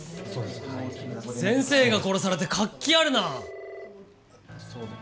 先生が殺されて活気あるな！